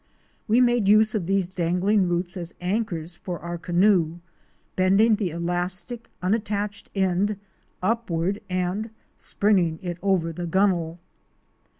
We made use of these dangling roots as anchors for our canoe, bending the elastic unattached end upward and springing it over the gunwale.